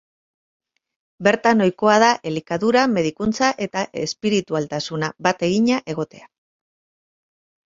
Bertan ohikoa da elikadura, medikuntza eta espiritualtasuna bat egina egotea.